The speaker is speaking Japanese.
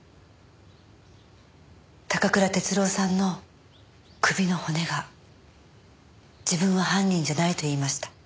高倉徹郎さんの首の骨が自分は犯人じゃないと言いました。